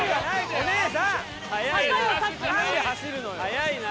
速いな。